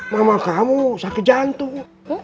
mama kamu sakit jantung